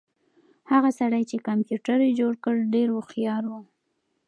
هغه سړی چې کمپیوټر یې جوړ کړ ډېر هوښیار و.